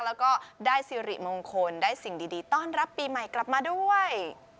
แล้วก็ได้สิริมงคลได้สิ่งดีต้อนรับปีใหม่กลับมาด้วย